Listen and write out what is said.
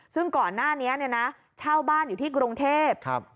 ซึ่งก่อนหน้านี้เช่าบ้านอยู่ที่กรงเทพร์